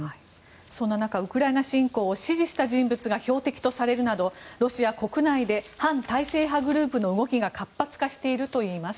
そんな中ウクライナ侵攻を支持した人物が標的とされるなどロシア国内で反体制派グループの動きが活発化しているといいます。